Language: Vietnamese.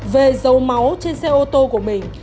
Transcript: về dấu máu trên xe ô tô của mình